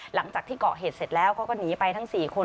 หลังจากที่เกาะเหตุเสร็จแล้วเขาก็หนีไปทั้ง๔คน